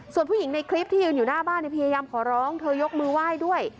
ส่วนผู้หญิงในคลิปที่ยืนอยู่หน้าบ้านพยายามขอร้องเธอยกมือไหว้ด้วย